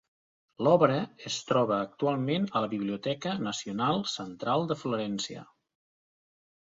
L'obra es troba actualment a la Biblioteca Nacional Central de Florència.